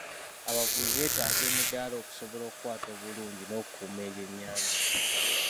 Abavubi beetaaga emidaala okusobola okukwata obulungi n'okukuuma ebyennyanja.